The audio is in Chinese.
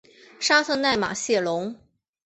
沙特奈马谢龙。